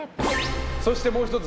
そしてもう１つ。